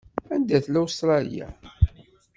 Anda tella Ustṛalya?